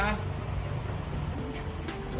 nah nah nah